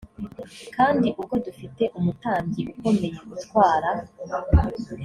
kandi ubwo dufite umutambyi ukomeye utwara